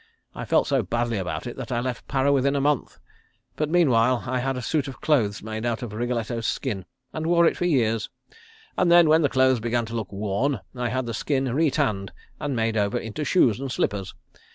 I felt so badly about it that I left Para within a month, but meanwhile I had a suit of clothes made out of Wriggletto's skin, and wore it for years, and then, when the clothes began to look worn, I had the skin re tanned and made over into shoes and slippers.